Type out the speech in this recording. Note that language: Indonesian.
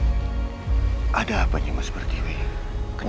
sekarang bedapa mendepulah diri sama aku ini